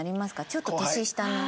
ちょっと年下の。